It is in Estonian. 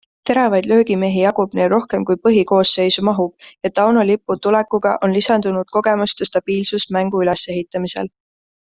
Teravaid löögimehi jagub neil rohkem kui põhikoosseisu mahub ja Tauno Lipu tulekuga on lisandunud kogemust ja stabiilsust mängu ülesehitamisel.